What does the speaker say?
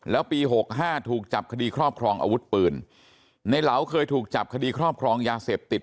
แล้วปีหกห้าถูกจับคดีครอบครองอาวุธปืนในเหลาเคยถูกจับคดีครอบครองยาเสพติด